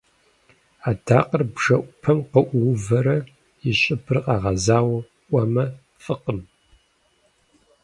Адакъэр бжэӏупэм къыӏуувэрэ и щӏыбыр къэгъэзауэ ӏуэмэ, фӏыкъым.